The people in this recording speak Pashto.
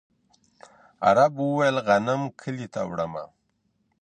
عرب وویل غنم کلي ته وړمه.